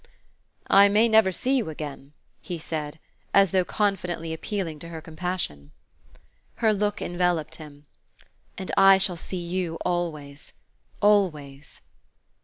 "I may never see you again," he said, as though confidently appealing to her compassion. Her look enveloped him. "And I shall see you always always!"